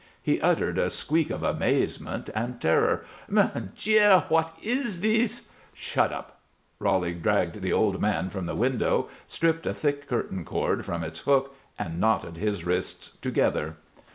He uttered a squeak of amazement and terror. "Mon Dieu! What is this?" "Shut up!" Roly dragged the old man from the window, stripped a thick curtain cord from its hook, and knotted his wrists together.